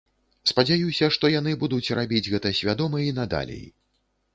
Спадзяюся, што яны будуць рабіць гэта свядома і надалей.